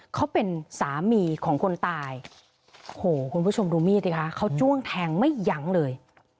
เขาเป็นสามีของคนตายโหคุณผู้ชมดูมีดสิคะเขาจ้วงแทงไม่ยั้งเลย